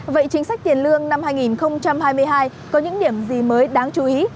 vậy chính sách tiền lương năm hai nghìn hai mươi hai có những điểm gì mới đáng chú ý